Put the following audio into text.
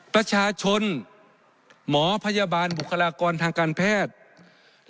ประชาชนหมอพยาบาลบุคลากรทางการแพทย์